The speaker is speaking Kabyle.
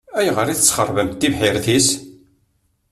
Ayɣer i tesxeṛbemt tibḥirt-is?